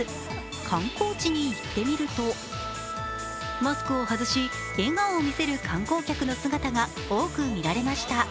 観光地に行ってみると、マスクを外し、笑顔を見せる観光客の姿が多く見られました。